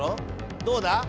どうだ？